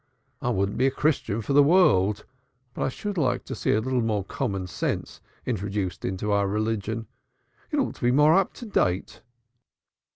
I wouldn't be a Christian for the world, but I should like to see a little more common sense introduced into our religion; it ought to be more up to date.